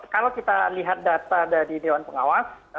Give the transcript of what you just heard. kalau kita lihat data dari dewan pengawas